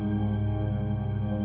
mama gak mau berhenti